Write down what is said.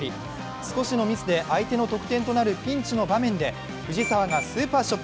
少しのミスで相手の得点となるピンチの場面で藤澤がスーパーショット。